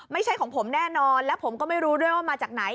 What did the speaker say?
ไม่ใช่ของผมแน่นอนและผมก็ไม่รู้ด้วยว่ามาจากไหน